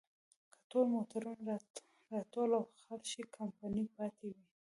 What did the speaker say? که ټول موټرونه راټول او خرڅ شي، کمپنۍ پاتې وي.